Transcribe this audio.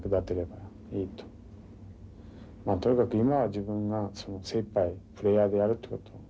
とにかく今は自分が精いっぱいプレーヤーでやるってこと。